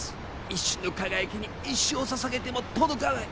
一瞬の輝きに一生をささげても届かない。